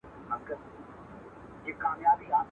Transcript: وایم اوس به زېری راسي تور وېښته مي ورته سپین کړل.